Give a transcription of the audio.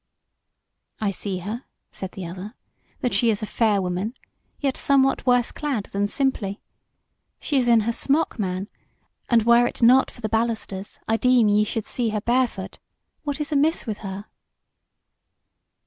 "I see her," said the other, "that she is a fair woman; yet somewhat worse clad than simply. She is in her smock, man, and were it not for the balusters I deem ye should see her barefoot. What is amiss with her?"